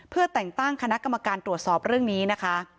เพื่อแต่งตั้งคณะกรรมการตรวจสอบเรื่องนี้นะคะ